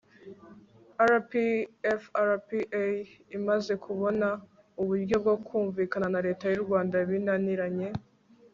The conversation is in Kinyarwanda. rpfrpa imaze kubona uburyo bwo kumvikana na leta y'u rwanda binaniranye